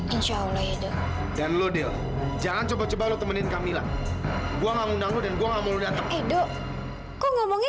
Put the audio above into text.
insya allah ya dan lo deal jangan coba coba lo temenin kamila gua ngundang lu dan gua ngomong udah